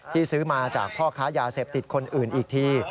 ซื้อมาจากพ่อค้ายาเสพติดคนอื่นอีกที